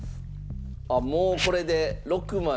あっもうこれで６枚。